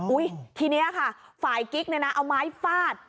ทีนี้ค่ะฝ่ายกิ๊กเนี่ยนะเอาไม้ฟาด